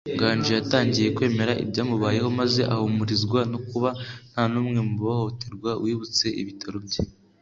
Nganji yatangiye kwemera ibyamubayeho maze ahumurizwa no kuba nta n'umwe mu bahohotewe wibutse ibitero bye.